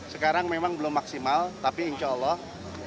sekarang memang belum maksimal tapi insya allah